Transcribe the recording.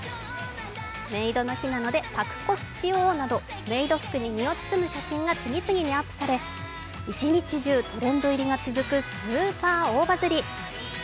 「メイドの日なので宅コスしよ」などメイド服に身を包む写真が次々にアップされ、一日中トレンド入りが続くスーパー大バズリ。